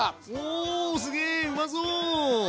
おすげうまそう！